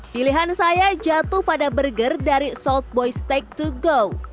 pilihan saya jatuh pada burger dari sold boy stake to go